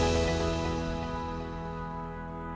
terima kasih lalu